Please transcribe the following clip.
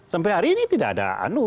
sampai hari ini tidak ada anu